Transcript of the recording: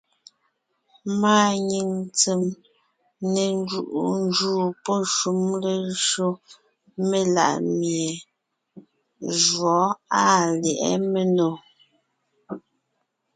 Máa nyìŋ tsèm ne njúu pɔ́ shúm léjÿo melaʼmie jǔɔ àa lyɛ̌ʼɛ ménò.